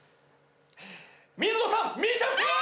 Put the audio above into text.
水野さんみーちゃんペア！